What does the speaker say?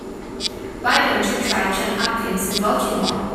Why don't you try Johns Hopkins in Baltimore?